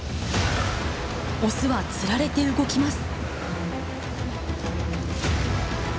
オスはつられて動きます。